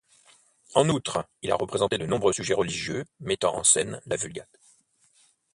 En outre, il a représenté de nombreux sujets religieux mettant en scène la Vulgate.